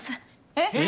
えっ？